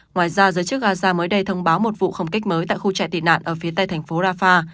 ngoài ra giới chức gaza mới đây thông báo một vụ không kích mới tại khu trại tị nạn ở phía tây thành phố rafah